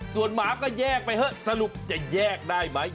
ส่วนหมาก็แยกไปเถอะสรุปจะแยกได้ไหม